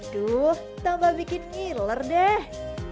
tuh tambah bikin ngiler deh